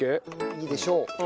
いいでしょう。